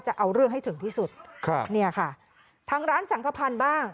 จะเอาเรื่องให้ถึงที่สุดครับเนี่ยค่ะทางร้านสังขพันธ์บ้าง